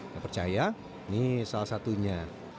saya percaya ini salah satunya